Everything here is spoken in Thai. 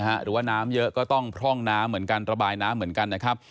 หรือว่าน้ำเยอะก็ต้องพร่องน้ำเหมือนกันระบายน้ำเหมือนกันนะครับ